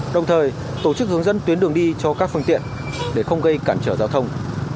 đồng thời tổ chức hướng dẫn tuyến đường đi cho các phương tiện để không gây cản trở giao thông